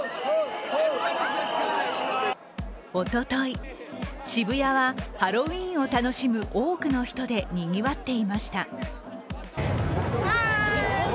おととい、渋谷はハロウィーンを楽しむ多くの人でにぎわっていました。